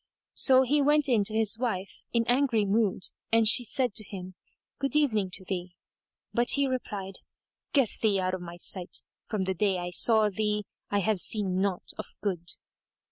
So he went in to his wife, in angry mood, and she said to him, "Good evening to thee"; but he replied, "Get thee out of my sight: from the day I saw thee I have seen naught of good."